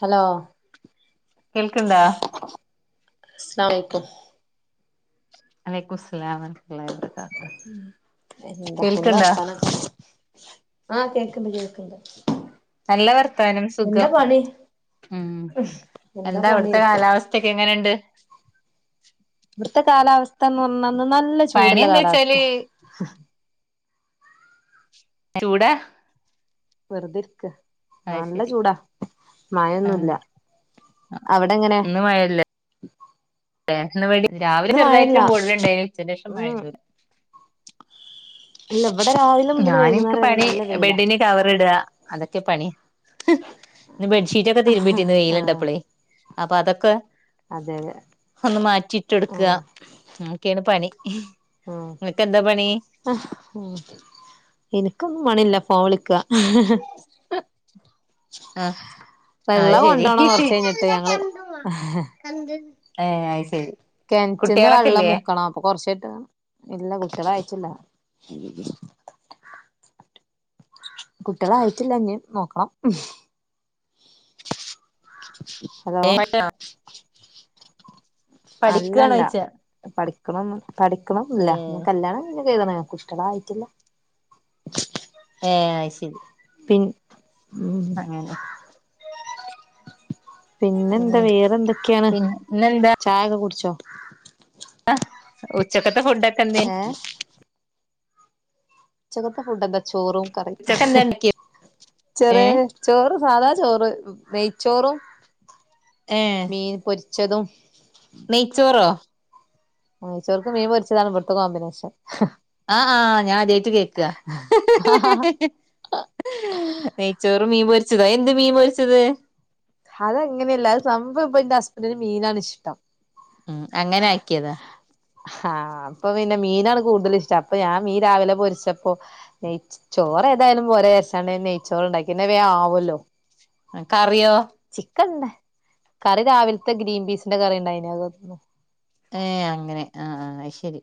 Hello കേൾക്ക്ണ്ടാ അസ്ലാമേക്കും അലൈക്കു ഇസ്ലാം [unintelligible] മൂ എന്താ എന്താവർത്താനം ആ കേക്കണ്ട് കേക്കണ്ട് നല്ല വർത്താനം സുഖം ഉം എന്താ അവിടുത്തെ കാലാവസ്ഥയൊക്കെ എങ്ങനെ ഉണ്ട് ഇവിടുത്തെ കാലാവസ്ഥന്ന് പറഞ്ഞാന്ന് നല്ല പണി ചൂടുള്ള എന്താച്ചാല് കാലാവസ്ഥയ ഇവിടെ വെറുതെ ഇരിക്ക നല്ല ശരി ചൂടാ മഴയൊന്നു ഇല്ല ആ ഇന്ന് മഴയില്ലേ ഇന്ന് വൈ രാവിലെ ഇന്ന് മഴല്ല ചെറുതായിട്ടൊരു മൂടലുണ്ടായേന് ഉച്ചക്ക് ശേഷം മഴയൊന്നുല്ല അല്ല ഞാന് എനിക്ക് പണി ബെഡിന് കവർ ഇടുക അതൊക്കെ പണി ഇന്ന് ബെഡ്ഷീറ്റൊക്കെ ആഹ് തിരുമ്പിട്ടിന്ന് വെയില് കണ്ടപ്പളേ അപ്പൊ അതൊക്കെ അതെ അതെ ഒന്ന് മാറ്റിയിട്ട് കൊടുക്കുക അതൊക്കെയാണ് പണി ആ ഇങ്ങക്കെന്താ പണി ആ മൂ എനിക്കൊന്നും മണില്ല ഫോൺ വിളിക്ക ആഹ് അ വെള്ളം ശരി കൊണ്ടോണം കൊറച്ച് കഴിഞ്ഞിട്ട് ഞങ്ങള് ഏ അയ് ശരി കെണറ്റ്ന്ന്‌ കുട്ടികളൊക്കെ വെള്ളം ഇല്ലേ മുക്കണം അപ്പൊ കൊറച്ച് ഇല്ല കുട്ട്യാളായിട്ടില്ല കുട്ട്യാളായിട്ടില്ല ഇനിം നോക്കണം ഹലോ പഠിക്കാണോ അല്ലല്ല ചോയിച്ച പഠി ക്ക്ന്ന് പഠിക്ക് പഠിക്കണന്നുല്ല ഏഹ് ഞാൻ കല്യാനൊക്കെ [unintelligible] കുട്ടികളായിട്ടില്ല ഏ അയ് ശരി പിൻ ഉം അങ്ങനെ പിന്നെ എന്താ വേറെ എന്തൊക്കെയാണ് പിന്നെ ചായൊക്കെ കുടിച്ചോ ആ ഉച്ചക്കത്തെ ഫുഡൊക്കെന്തേയ്‌ ഏഹ് ഉച്ചക്കത്തെ ഫുഡന്താ ചോറും കറി ഉച്ചക്ക് എന്താ ഉണ്ടാക്കിയെ ചെറിയ ഏഹ് ചോറ് സാധാ ചോറ് നെയ്ച്ചോറും ഏഹ് മീൻ പൊരിച്ചതും നെയ്ച്ചോറോ നെയ്‌ച്ചോർക്ക് മീൻ പൊരിച്ചതാണ് ഇവിടുത്തെ കോമ്പിനേഷൻ ആ ആഹ് ഞാൻ അദ്യായിട്ട് കേക്കാ വെറും മീൻ പൊരിച്ചതോ എന്ത് മീൻ പൊരിച്ചത് അത് അങ്ങനെയല്ല അത് സംഭവം ഇപ്പം എന്റെ ഹസ്ബൻഡന് മീനാണ് ഇഷ്ടം ഉം അങ്ങനെ ആക്കിയതാ ഹാ അപ്പൊ പിന്നെ മീനാണ് കൂടുതൽ ഇഷ്ടം അപ്പൊ ഞാൻ മീൻ രാവിലെ പൊരിച്ചപ്പോ നൈ ചോറ് എന്തായാലും പോരേ ശകലം നെയ്ച്ചോർ ഉണ്ടാക്കി ന്നാവേ ആവോല്ലോ കറിയോ കറി രാവിലത്തെ ഗ്രീൻ പീസിന്റെ കറി ണ്ടായിനു അത് തി ഏ അങ്ങനെ ആ ആ അയ് ശരി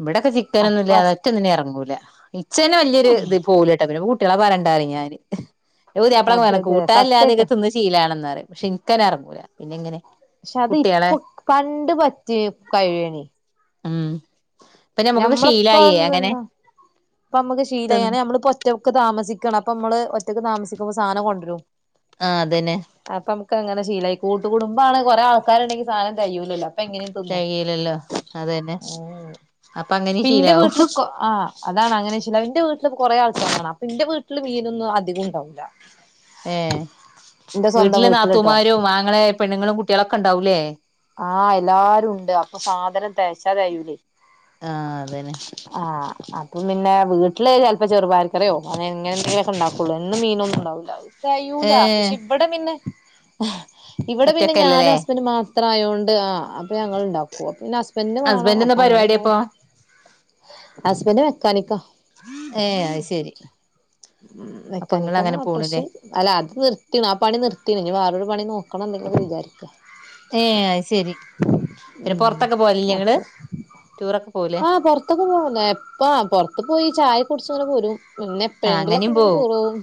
ഇവിടൊക്കെ അപ്പൊ ചിക്കനൊന്നുല്ലാതെ ഹസ് ഒറ്റൊന്നിനും എറങ്ങൂല ഇച്ചന്നെ വലിയൊരു ഇത് പോകൂലട്ടൊ പിന്നെ കുട്ട്യാളെ പറയണ്ടാ പറിം ഞാൻ എന്റെ പുതിയപ്പളാ അതെ പറഞ്ഞു അതെ കൂട്ടാനില്ലാതൊക്കെ സത്യായിട്ടും തിന്ന് ശീലാവാണെന്ന് പക്ഷെ- എനിക്കങ്ങനെ എറങ്ങൂല പിന്നെങ്ങനെ പക്ഷെ അത് ഇപ്പൊ കണ്ട് പറ്റി കഴിഞ്ഞു ഉം ഇപ്പൊ ഞമ്മുക്കൊക്കെ ശീലായ് ഒന്നുല്ല അങ്ങനെ- ഇപ്പൊ നമ്മക്കശീലായി തിന്ന് നാ നമ്മളിപ്പോ ഒറ്റക്ക് താമസിക്കാണ് അപ്പം നമ്മള് ഒറ്റക്ക് താമസിക്കുമ്പോ സാധനം കൊണ്ടരും ആ അതന്നെ അപ്പൊ നമുക്ക് അങ്ങനെ ശീലായി കൂട്ട് കൂടുംബ ഒറപ്പാണ് കൊറേ ആൾക്കാരുണ്ടെങ്കി സാധനം തെകയൂല്ലാലോ അപ്പൊ എങ്ങനിം- തിന്നും തികയില്ലല്ലോ അതന്നെ ഉം അപ്പൊ അങ്ങനെ ഇപ്പോന്റെ ശീലാവും വീട്ടിൽ ആ- അതാണ് അങ്ങനെ ശീലാ എന്റെ വീട്ടില് കൊറെ ആൾക്കാരാണ് അപ്പൊ എന്റെ വീട്ടില് മീനൊന്നും അധികം ഉണ്ടാവുല്ല ഏ വീട്ടിൽ വീട്ടില്ട്ടോ നാത്തുമാരും ആങ്ങളെ പെണ്ണുങ്ങളും കുട്ടി ആഹ് എല്ലരും ഉണ്ട് അപ്പൊ സാധനം തെകച്ചാതെകയൂലയ് [unintelligible] ആഹ് അതന്നെ അപ്പൊ പിന്നെ വീട്ടില് ചെലപ്പോ ചെറുപയർക്കറിയോ അങ്ങനെത്തെലൊക്കെ ഉണ്ടാക്കുള്ളൂ എന്നും മീനൊന്നുണ്ടാവൂല ഏ കയ്യൂല പക്ഷെ ഇവിടെ പിന്നെ ഇവിടെ പിന്നെ ഞാനും ഒറ്റക്കല്ലല്ലേ ഹസ് മാത്രയോണ്ട് ആ അപ്പൊ ഞങ്ങൾ ഉണ്ടാക്കും അപ്പ പിന്നെ ഹസ്ബന്ഡന് വാണം ഹസ്ബൻഡ് എന്താ അപ്പ പരിപാടി അങ്ങനെണ്ടാക്കും അപ്പൊ ഹസ്ബൻഡ് മെക്കാനിക്ക ഏയ് അയ് ശെരി ഉം പോണില്ലേ മെക്കാനിക്കാന്നറഞ്ഞ [unintelligible] ആ അത് നിർത്തിക്ക്ന് ആ പണി നിർത്തിക്കണ് ഇനി വേറൊരു പണി നോക്ക നോക്കണം ഇല്ലത് വിചാരിക്ക- ഏ അയ് ശെരി പിന്നെ പൊ ഉം റത്തൊക്കെ പോവലില്ലേ ഇങ്ങൾ അപ്പൊ ആഹ് പൊറത്തൊക്കെ പോവും എപ്പ പൊറത്ത് പോയി ചായ കുടിച്ചങ്ങനെ പോരും ആഹ് എപ്പോയെങ്കിലൊക്കെ അങ്ങനിം ണ്ടെങ്കി പോവും ടൂർപോവും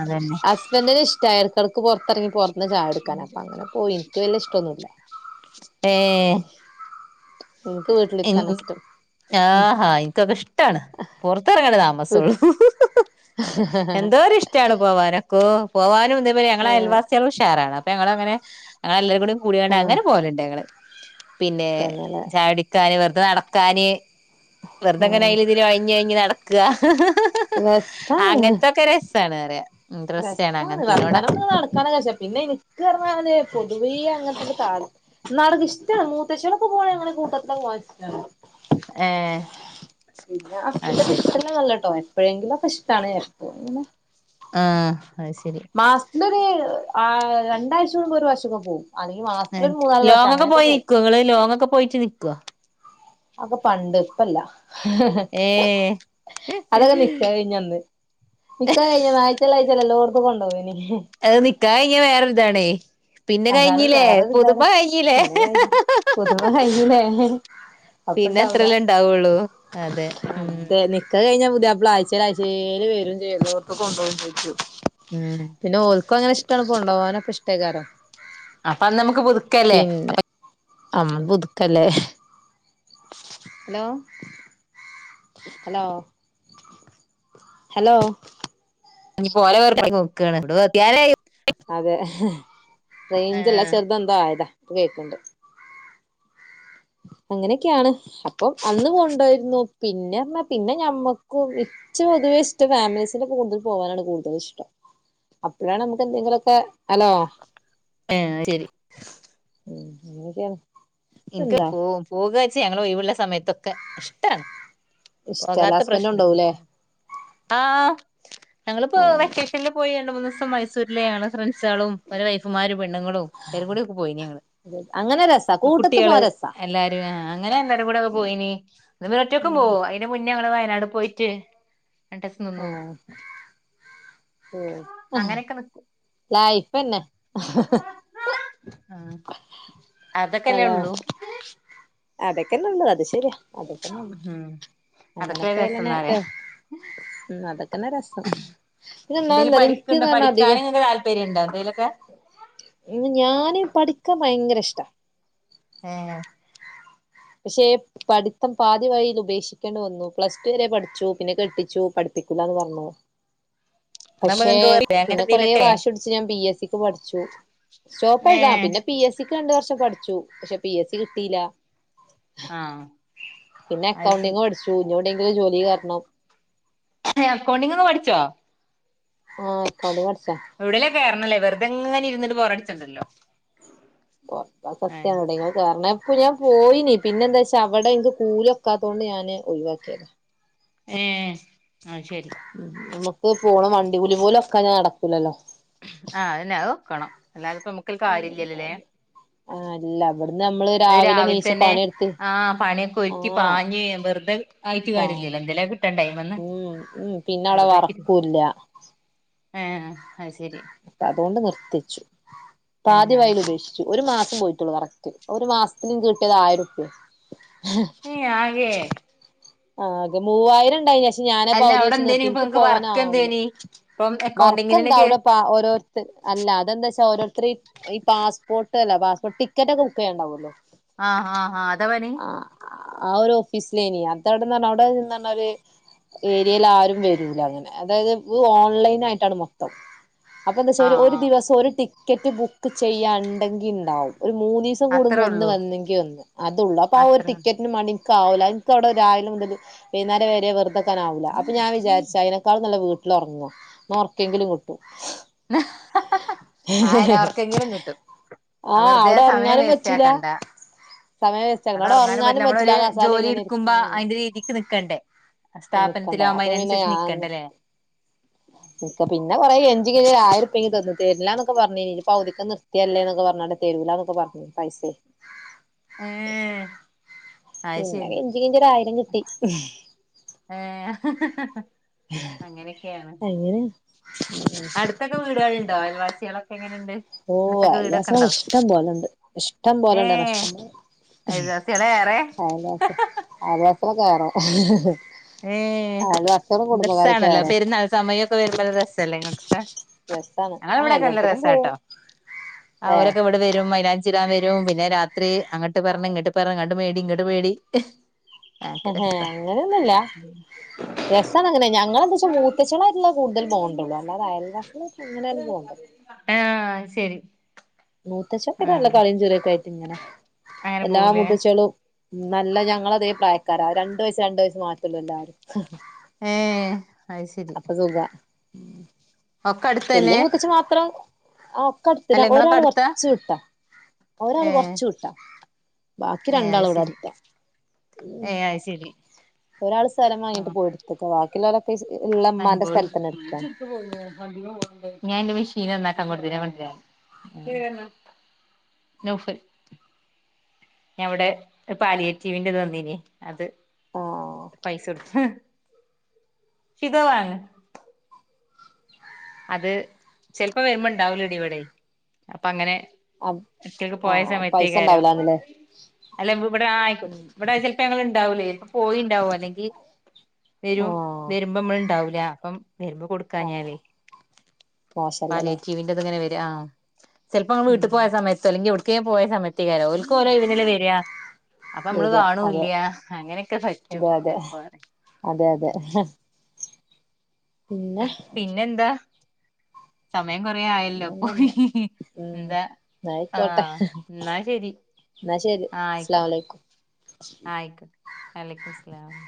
അതെ ഹസ്ബൻഡറിന് ഇഷ്ടാ ഇടക്കെടക്ക് പൊറത്തിറങ്ങി പൊറത്തിന്ന് ചായ കുടിക്കാൻ അപ്പൊ അങ്ങനെ പോയി എനിക്ക് വല്യ ഇഷ്ട്ടോന്നുല്ല [inaudible] ഏ എനിക്ക് വീട്ടില്ക്കാനാഷ്ടം ആഹാ ഇൻക്കൊക്കെഷ്ടാണ് പൊറത്തറങ്ങണ്ട താമസുള്ളു എന്തോരിഷ്ട്ടമാ പോവാനൊക്കോ പോവാനും ദേമാരി ഞങ്ങളെ ഏഹ് അയൽവാസിയാളും ഉഷാറാണ് അപ്പൊ ഞങ്ങളങ്ങനെ ഞങ്ങളെല്ലരും കൂടി- കൂടികാണ്ട്‌ ആഹ് അങ്ങനെ പോവലുണ്ട് ഞങ്ങള് പിന്നെ തന്നല്ലേ ചാടിക്കാന് വെറുതെ നടക്കാന് വെറുതെങ്ങന ആഹ് അയ്ലിതിലിം ഒഴഞ്ഞി ഒഴഞ്ഞി നടക്ക- രസ്സാണ് സാണ്റയാ [unintelligible] രസാണ് വർത്താനം പർഞ്ഞ് നടക്കാനൊക്കെ ശേ പിന്നെ എനിക്ക് പറഞ്ഞാല് പൊതുവേ അങ്ങൻത്തീല് താൽ എനിക്ക് ഇഷ്ടാണ് മൂത്തച്ചിയാളൊക്കെ പോണേ കൂട്ടത്തില് പോവാനിഷ്ടാണ് ഏഹ് പിന്ന അത് ശരി ഹസ്ബന്റിനിഷ്ട്ടല്ലന്നല്ലട്ടോ എപ്പോഴെങ്കിലൊക്കെ ഇഷ്ടാണ് എപ്പഴും ഇങ്ങന ആഹ് അത് ശ മാസത്തിലൊര് അ രണ്ടാഴ്ച കൂടുമ്പൊ ഒരു പ്രാവ്ശ്യോക്കെ പോവും അല്ലെങ്കിൽ ആ മാസത്തില് ഒരു മൂന്നാല് പ്രാവശ്യം ലോങ്ങൊക്കെ അങ്ങനെയൊക്കെ പോവും. പോയിക്കോങ്ങള് ലോങ്ങൊക്കെ പോയിട്ട് നിക്കോ? അക്കെ പണ്ട് ഇപ്പല്ല ഏ അതൊക്കെ നിക്കാഹ് കഴിഞ്ഞന്ന് നിക്കാഹ് കഴിഞ്ഞ ആഴ്ച്ചേല് ആഴ്ച്ചേല് എല്ലോട്ത്ത്ക്കൊണ്ടോയേനി അത് നിക്കാഹയ്ഞ്ഞാ വേറൊരിതാണേയ് പിന്നെ അതാണ് കഴിഞ്ഞില്ലേ പുതുമ വേറൊരിതാണ്. കഴ്ഞ്ഞില്ലേ പിന്നെ കഴിഞ്ഞ് പുതുമ കഴിഞ്ഞില്ലേ അപ്പണ്ടാവൂല. പിന്നെത്രല്ലേണ്ടാവുള്ളൂ അതെ ഇം ആഴ്ചേലാഴ്ചേല് വരും ചെയ്യും എല്ലോടത്ത്ക്കും കൊണ്ടോകും [unintelligible] ഉം പിന്നെ ഓൽക്കും അങ്ങനെ ഇഷ്ടാണ് കൊണ്ടോകാനൊക്കെ ഇഷ്ട്ടേക്കാരം അപ്പൊ അന്ന്മ്മക്ക് പുതുക്കല്ലേ അപ്പ അന്ന് പുതുക്കല്ലേ ഹലോ ഹലോ ഹലോ നി പോലെ വർ നോക്കാണ് [unintelligible] അതേ റേഞ്ചില്ല ആഹ് ശേർതെന്തോ ആയതാ ഇപ്പ കേക്കിണ്ട് ആഹ് ഇങ്ങനെയൊക്കെയാണ് അപ്പൊ അന്ന് കൊണ്ടോയിരുന്നു പിന്നെർഞ്ഞാ പിന്നെ ഞമ്മക്കും ഇച്ചുത് ഷ്ടം ഫാമിലീസിന്റെ കൂടുതൽ പോവാനാണ് കൂടുതൽ ഇഷ്ടം അപ്പോഴാണ് നമുക്ക് എന്തെങ്കിലൊക്കെ ഹലോ ഏഹ് ശരി ഉം അങ്ങനെയൊക്കെയാണ് ഇനിക്ക് ഇതെന്താ പോ പോകുവെച്ച ഞങ്ങളെ ഒയിവെള്ള സമയത്തൊക്കെ ഇഷ്ടാണ് ഇഷ്ടല്ല പോകാത്ത ഹസ്ബന്റ് പ്രശ്നൊണ് കൊണ്ടോവൂലേ ആ ഞങ്ങളിപ്പോ വെക്കേഷനിൽ പോയി രണ്ട് മൂന്ന് ദിവസം മൈസൂരിലേണ് ഞങ്ങള് ഫ്രണ്ട്സാളും ഓരെ വൈഫുമാരും പെണ്ണുങ്ങളും തരി കൂടി ഒക്കെ പോയിന് ഞങ്ങള് അങ്ങനെ രസാ കൂട്ടത്ത് കുട്ടികള് പോവാൻ രസാ എല്ലാരും ആ അങ്ങനെ എല്ലാരും കൂടെക്കെ പോയിനി പിന്നിവരൊറ്റക്കും ഉം പോവും അയ്ന് മു ന്നെ ഞങ്ങള് വയനാട് പോയിട്ട് രണ്ടീസം നിന്നു അങ്ങനെയൊക്കെ നിക്കും ലൈഫെന്നെ ആ അതൊക്കെല്ലേ ഉള്ളൂ അതൊക്കെന്നുള്ളു അത് ശരിയാ അതൊക്കെന്നുള്ളു ഉം അതൊക്കെ അങ്ങനെപ്പോലന്നെ രസംന്നറിയാ ഉം അതൊക്കെന്നെ രസം എന്തേലും പിന്നൊന്നാമതെന്താറിയൊ ഇൻക്ക് പഠിക്ക്ണ്ടോ പർഞ്ഞാ പഠിക്കാന് അധികം ഇങ്ങക്ക് താല്പര്യണ്ടോ എന്തേലൊക്കെ ഞാന് പഠിക്കാൻ ഭയങ്കര ഇഷ്ടാ ഏഹ് പക്ഷെ പഠിത്തം പാതി വഴിയിൽ ഉപേക്ഷിക്കേണ്ടിവന്നു. പ്ലസ് ടു വരെ പഠിച്ചു. പിന്നെ കെട്ടിച്ചു. പഠി കിക്കൂലാന്ന് പറഞ്ഞോ? ന്നാവുമ്പോ പക്ഷേ നിങ്ങക്ക് വെറുതെ അങ്ങനെ പിന്നെ കൊറെ എന്തേലൊക്കെ വാശി പിടിച്ച് ഞാൻ ബി എസ് സി പഠിച്ചു. ഏ സ്റ്റോപ്പെഴുതാം പിന്നെ പി എസ് സി രണ്ടുവർഷം പഠിച്ചു. പക്ഷെ പി എസ് സി കിട്ടിയില്ല. ആഹ് പിന്നെ അത് ശരി അക്കൗണ്ടിങ് പഠിച്ചു. ഇനി എവിടെയങ്കിലും ജോലി കേറണം. അക്കൗണ്ടിങ്ങ്പഠിച്ചോ? ആഹ് അക്കൗണ്ടിങ് പഠിച്ചാ എവിടേലും കേറണല്ലേ വെറുതെ അങ്ങനെ ഇരുന്നിട്ട് ബോറടിച്ചൊണ്ടല്ലോ? [unintelligible] സത്യാണ് എവടെങ്കിലും കേറണം ഇപ്പൊ ഞാൻ പോയിനി പിന്നെ എന്താച്ചാ അവിടെ എനിക്ക് കൂലിയൊക്കാത്തോണ്ട് ഞാന് ഒഴിവാക്കിത. ഏ അത് ശരി. പോകണം. വണ്ടി കൂലി പോലും ഒക്കാതെഞ്ഞ നടക്കൂലല്ല എന്നാലിപ്പോ നമുക്ക് കാര്യം ഇല്ലല്ലല്ലേ ആഹ് അല്ല ഇവിടുന്ന് നമ്മള് അത് രാവിലെ നീച്ച് തന്നെ പണിയെടുത്ത് ആ പണിയൊക്കെ ഒരുക്കി ആഹ് പാഞ്ഞ് വെറുതെ ആയിട്ട് പ കാര്യംല്ലല്ലോ എന്തെലും കിട്ടണ്ടെ അതുമേന്ന് ഉം ഉം പിന്നെ അവിടെ വെറുതേ വർക്കൂല്ല ആ അപ്പ അതുകൊണ്ട് നിർത്തിച്ചു. ഏഹ് അത് പാതിവയൽ ശരി ഉപേക്ഷിച്ചു ഒരു മാസ പോയിട്ടുള്ളു കറക്റ്റ്. ഒരു മാസത്തില് കിട്ടിയത് ആയിരം റുപ്യ. ഏ ആകെ? ആ അതെ. മൂവായിരം ഉണ്ടായിനി ശേഷംഞാനപ്പ അല്ല അവിടെ പകുതിവെച്ച് എന്തേനി നിർത്തി ഇപ്പൊ എനിക്ക് നിങ്ങക്ക് വർക്ക് പോവാനാവൂല. എന്തേനി ഇപ്പം വർക്ക് അക്കൗണ്ടിങ്ങിനന്നെ എന്താ കേ അവിടെ ഓരോരുത്തർ അല്ല അതെന്താ വെച്ചാ ഓരോരുത്തർ ഈ പാസ്പോർട്ട് ല്ല പാസ്പോർട്ട് ടിക്കറ്റൊക്കെ ബുക്ക് ചെയ്യാനുണ്ടാവുല്ലോ? ആ ആ ആ അതവന് ആ ഒരു ഓഫീസിലിനി അത അവിടെന്ന് അവിടെ പറഞ്ഞ ഒരു ഏരിയയിൽ ആരും വരൂലങ്ങനെ അതായത് ഓൺലൈൻ ആയിട്ടാണ് മൊത്തം. അപ്പൊ എന്താ വെച്ചാ ആഹ് ഒരു ആഹ് ദിവസം ഒരു ടിക്കറ്റ് ബുക്ക് ചെയ്യാനുണ്ടെങ്കി ഉണ്ടാവും. ഒരു മൂന്നുദിവസം കൂടുമ്പോ അത്രേ ഒന്ന് ഉള്ളൂ വന്നെങ്കിൽ ഒന്ന് അതുള്ളൂ. അപ്പ ആ ഒരു അത്രേ ഉള്ളൂ ടിക്കറ്റിന് വേണ്ടി കാവലായി എനിക്കവിടെ രാവിലെ മുതല് വൈകുന്നേരം വരെ വെറുത നിക്കാനാവില്ല അപ്പൊ ഞാൻ വിചാരിച്ച് അതിനക്കാളു നല്ല വീട്ട ഒറങ്ങും ഒറക്ക എങ്കിലും ഹ ഹ ഹ ആയിന അവർക്കെങ്കിലും കിട്ടും. ആഹ് വെറുതെ അവിടെ സമയം ഉറങ്ങാനും വേസ്റ്റ് പറ്റൂല ആക്കണ്ട. സമയം വേസ്റ്റ് ആക്കണം അവിടെ ഉറങ്ങാനും പറ്റില്ല. നമ്മളൊ പറ്റൂല ഒരു ആ കസാല ജോലി ഇങ്ങനെ എടുക്കും ഇരിക്കും അതിന്റെ രീതിക്ക് നിക്കണ്ടേ? നിക്കണ്ടേ സ്ഥാപനത്തിലാകുമ്പോ അതിനനുസരിച്ച് നിക്കണ്ട അല്ലേ? ക്ക പിന്നെ കൊറെ എ ആയിരംറുപ്യാത തന്നു തരില്ലാന്നൊക്കെ പറഞ്ഞ് പൗതിക്ക് നിർത്തിയല്ലേന്നക്കെ പറഞ്ഞിട്ട് തരുലാന്നൊക്കെപറഞ്ഞ് പൈസയേ. ഏ അത് ശരി. എനിക്കൊരായിരം കിട്ടി. ആ ഹ ഹ ഹ അങ്ങനെയൊക്കെയാണ് അങ്ങനെ അടുത്തൊക്കെ വീടുകളുണ്ടോ? അയൽവാസികളൊക്കെ എങ്ങനുണ്ട്? ഓ അയൽവാസികളൊക്കെഇഷ്ടം പോലുണ്ട്. ഇഷ്ടം പോലുണ്ട്. ഏഹ് അയൽവാസികളാ ഏറെ [unintelligible] കയറാം ഏ രസാണല്ലോ ഏറെ പെരുന്നാൾ സമയൊക്കെ വരുമ്പോൾ രസല്ലേ നിങ്ങൾക്കൊക്കെ? രസാണ് ആ ഞങ്ങളിവിടൊക്കെ നല്ല എല്ലോട്ത്ത്ക്കും പോവും രസാട്ടോ. ഏ അവരൊക്കെ ഇവിടെ വരും മെലാഞ്ചി ഇടാൻ വരു വും പിന്നെ രാത്രി അങ്ങോട്ട് പറഞ്ഞ ഇങ്ങോട്ട് പറ അങ്ങട്ട് മേടി ഇങ്ങോട്ട് മേടി ഹ ഹ അങ്ങനെ രസാണ് അങ്ങനെ ഞങ്ങെന്താ വെച്ചാ മൂത്തച്ചണായിട്ടല്ല കൂടുതൽ പോകണ്ടള്ളൂ അല്ലാതെ അയൽവാസി ആശരി. മൂത്തച്ച് പില്ല കളിയും ചിരിയെക്കെ ആയിട്ട് ഇങ്ങനെ അങ്ങനെ എല്ലാ പോവൂലേ മുത്തച്ച്കളും നല്ല ഞങ്ങള അതേ പ്രായക്കാരാ രണ്ടു വയസ് രണ്ടു വയസ് മാത്രല്ലൂ എല്ലാവരും. ഏഹ് അത് ശരി അപ്പ സുഖ ഒക്കെ വല്ിയ അടുത്തന്നെ മുത്തിച് മാത്രം ആ ഒക്കെ അടുത്തി അല്ല ഇങ്ങളൊക്കെ ഒരാൾ പറ അടുത്താ കൊറച്ച കിട്ടാ ഒരാൾ ഏഹ് കൊറച്ചു ട്ടാ ബാക്കി രണ്ടാൾ ഇവിടെ അടുത്ത ഏയ് ആയി ശരി ഒരാൾ സ്ഥലം വങ്ങട്ട് പോയിടുത്തക്ക ബാക്കിയുള്ള നപോ ഞാൻന്റെ വി [inaudible] ക്ഷീന നന്നാക്കാൻ കൊടുത്തി. ഞാൻ പറ്ഞ്ഞല്ലേനൗഫൽ ഞാ അവിടെ പാലിയറ്റീവിന്റെത് തന്നീന അത് ആഹ് പൈസ കൊടുത്തു സിത വങ്ങ അത് ചെിലപ്പോ വരുമ്പോ ഉണ്ടാവലോ ഇടി ഇവിടെ അപ്പ അങ്ങനെ ആഹ് ഒറ്റൊക്കെ പോയ ആഹ് പൈസ സമയത്തേക്ക ആാരോ ഇണ്ടാവൂലാന്ന്ല്ലേ അല്ല ഇവിടെ ആയിക്കോ ഇവിടെ ചിലപ്പോ ഞങ്ങ ഇണ്ടാവൂലേ ഇപ്പൊ പോയിുണ്ടാവും അല്ലെങ്കിൽ വരും ആഹ് വരുമ്പോ നമ്മള ഇണ്ടാവൂല അപ്പം വരുമ്പോ കൊടുക്കാ ഞ്ഞാാലേ മോശല്ലലെ ങ്ങനെ വെരാ ചെലപ്പോ നമ്മള് വീട്ട് പോയസമയെത്തൊ അല്ലെങ്കി എവ് ക്കേം പോയ സമയത്തേക്കാരം ഓൽക്ക് ഓലൊയ്വ്നല്ലേ വെരാ അപ്പൊ ഞമ്മള് ശരിയാ അതെ കാണൂല്ല അങ്ങനൊക്കെ പറ്റും അതെ അതെ ചെൽപ്പോ അതെ അതെ പിന്നെ മയം കൊറേ ആയല്ലോ അപ്പൊ പിന്നെന്താ ന്നാ ഉം ന്താ ന്നാ ആ ആയിക്കോട്ടെ ന്നാ ശെരി ന്നാ ശരി അസ്സലാമലൈക്കും ആയ്ക്കോട്ടെ വലക്കും മുസ്റ്റലാം